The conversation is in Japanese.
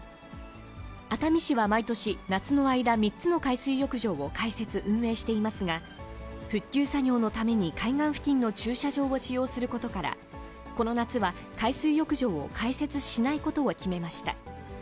熱海市は毎年、夏の間、３つの海水浴場を開設、運営していますが、復旧作業のために、海岸付近の駐車場を使用することから、この夏は海水浴場を開設しないことを決めました。